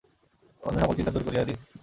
অন্য সকল চিন্তা দূর করিয়া দিন।